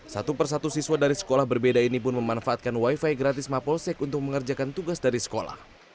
satu persatu siswa dari sekolah berbeda ini pun memanfaatkan wifi gratis mapolsek untuk mengerjakan tugas dari sekolah